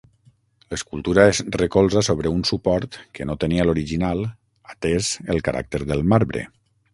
L'escultura es recolza sobre un suport, que no tenia l'original, atès al caràcter del marbre.